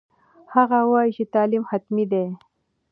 هغه وایي چې تعلیم حتمي دی.